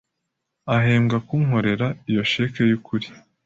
ahembwa kunkorera, iyo cheque yukuri